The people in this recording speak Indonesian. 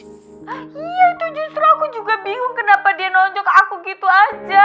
iya itu justru aku juga bingung kenapa dia nonjok aku gitu aja